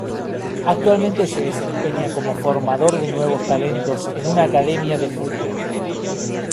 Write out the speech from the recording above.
Actualmente se desempeña como formador de nuevos talentos en una Academia de Fútbol.